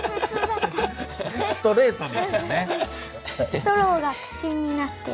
ストローが口になってる。